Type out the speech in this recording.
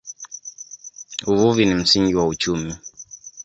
Uvuvi ni msingi wa uchumi.